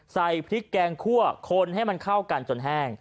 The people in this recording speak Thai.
ใส่พริกแกงคั่วคนให้มันเข้ากันจนแห้ง